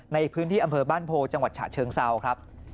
ในพื้นที่อำเภอบ้านโพจังหวัดฉะเชิงเซาครับ